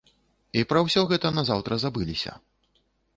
І пра ўсё гэта назаўтра забыліся.